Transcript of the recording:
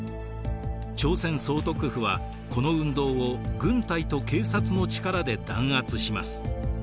朝鮮総督府はこの運動を軍隊と警察の力で弾圧します。